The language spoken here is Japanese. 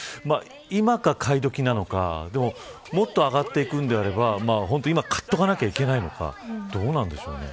今が買い時なのかでも、もっと上がっていくのであれば今、買っておかなければいけないのかどうなんでしょう。